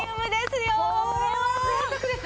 これはぜいたくです！